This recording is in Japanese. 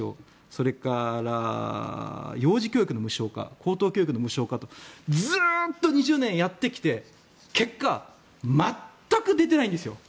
それから、幼児教育の無償化高等教育の無償化とずっと２０年やってきて結果、全く出てないんですよ。